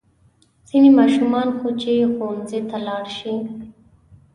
ځینې ماشومان خو چې ښوونځي ته لاړ شي.